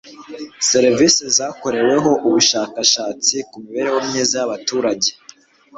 serivisi zakoreweho ubushakashatsi ku mibereho myiza y' abaturage